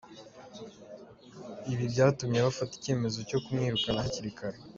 Ibi byatumye bafata icyemezo cyo kumwirukana hakiri kare.